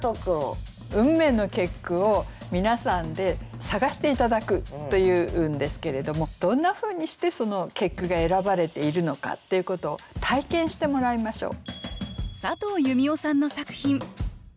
「運命の結句」を皆さんで探して頂くというんですけれどもどんなふうにしてその結句が選ばれているのかっていうことを体験してもらいましょう。